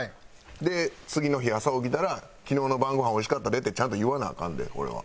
で次の日朝起きたら「昨日の晩ごはんおいしかったで」ってちゃんと言わなアカンでこれは。